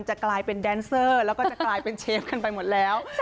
จะกลายเป็นแดนเซอร์แล้วก็จะกลายเป็นเชฟกันไปหมดแล้ว